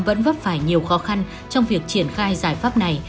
vẫn vấp phải nhiều khó khăn trong việc triển khai giải pháp này